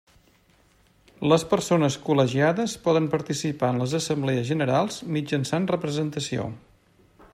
Les persones col·legiades poden participar en les assemblees generals mitjançant representació.